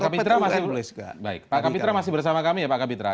pak kapitra masih bersama kami ya pak kapitra